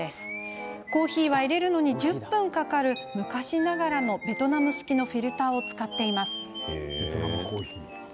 コーヒーはいれるのに１０分かかる昔ながらのベトナム式のフィルターを使っています。